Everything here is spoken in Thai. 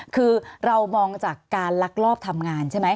คือเรามองจากการลักลอบทำงานใช่ไหม